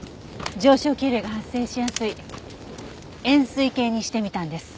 上昇気流が発生しやすい円錐形にしてみたんです。